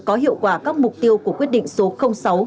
có hiệu quả các mục tiêu của quyết định số sáu